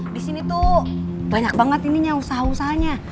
di sini tuh banyak banget ininya usaha usahanya